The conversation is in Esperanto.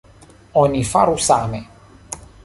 Oni faru same.